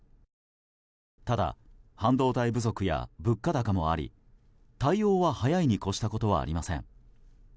ただ、半導体不足や物価高もあり対応は早いに越したことはありません。